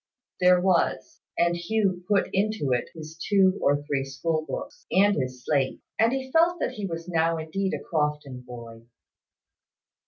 There was: and Hugh put into it his two or three school books, and his slate; and felt that he was now indeed a Crofton boy.